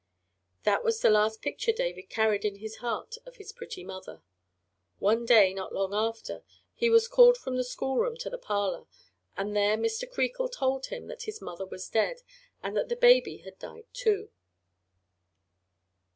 That was the last picture David carried in his heart of his pretty mother. One day not long after, he was called from the school room to the parlor, and there Mr. Creakle told him that his mother was dead and that the baby had died, too.